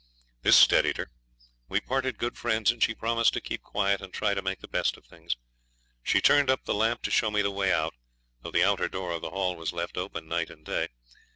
This steadied her. We parted good friends, and she promised to keep quiet and try and make the best of things. She turned up the lamp to show me the way out, though the outer door of the hall was left open night and day.